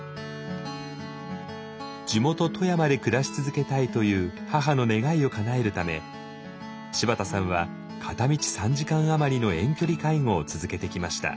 「地元富山で暮らし続けたい」という母の願いをかなえるため柴田さんは片道３時間余りの遠距離介護を続けてきました。